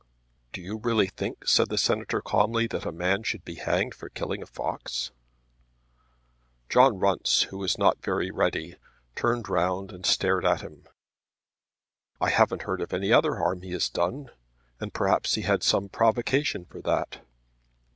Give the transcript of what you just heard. "Do you really think," said the Senator calmly, "that a man should be hanged for killing a fox?" John Runce, who was not very ready, turned round and stared at him. "I haven't heard of any other harm that he has done, and perhaps he had some provocation for that."